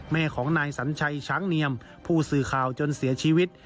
แม่ของนายสัญชัยช้างเนียมผู้สื่อข่าวจนเสียชีวิต